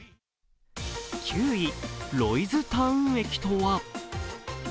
９位、ロイズタウン駅とは？